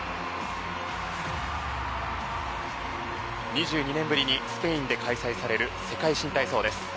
２２年ぶりにスペインで開催される世界新体操です。